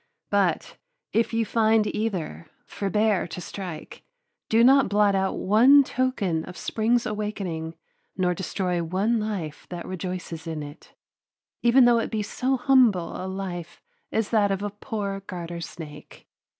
But, if you find either, forbear to strike. Do not blot out one token of spring's awakening nor destroy one life that rejoices in it, even though it be so humble a life as that of a poor garter snake.